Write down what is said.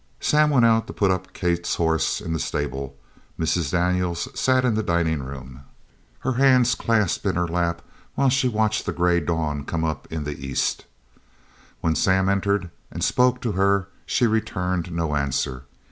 Sam went out to put up Kate's horse in the stable. Mrs. Daniels sat in the dining room, her hands clasped in her lap while she watched the grey dawn come up the east. When Sam entered and spoke to her, she returned no answer.